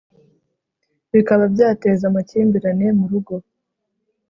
bikaba byateza amakimbirane mu rugo